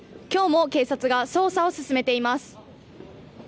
きょうも警察が捜査を進めています。